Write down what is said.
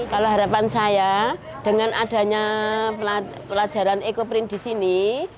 kalau harapan saya dengan adanya pelajaran ekoprint di sini